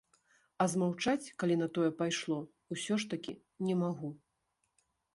А змаўчаць, калі на тое пайшло, усё ж такі не магу.